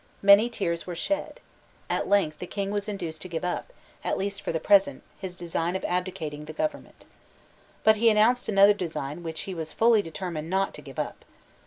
Many tears were shed. At length the King was induced to give up, at least for the present, his design of abdicating the government. But he announced another design which he was fully determined not to give up.